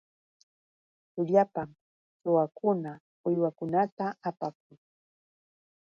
Tutallpam suwakuna uywakunata apakun.